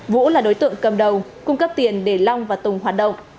vũ là đối tượng cầm đầu cung cấp tiền để long và tùng hoạt động